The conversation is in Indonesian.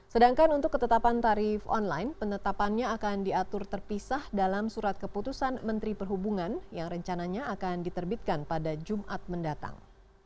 sedangkan untuk ketetapan tarif online penetapannya akan diatur terpisah dalam surat keputusan menteri perhubungan yang rencananya akan diterbitkan pada jumat mendatang